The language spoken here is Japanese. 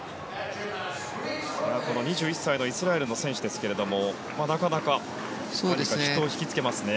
２１歳のイスラエルの選手ですけれどもなかなか人を引きつけますね。